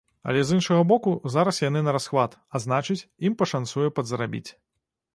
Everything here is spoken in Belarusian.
Але з іншага боку, зараз яны нарасхват, а значыць, ім пашанцуе падзарабіць.